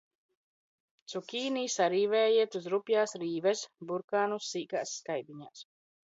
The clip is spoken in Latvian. Cukīni sarīvējiet uz rupjās rīves, burkānus – sīkās skaidiņās.